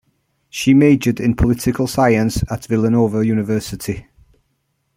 She majored in political science at Villanova University.